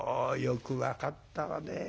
よく分かったわね。